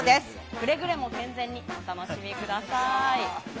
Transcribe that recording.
くれぐれも健全にお楽しみください。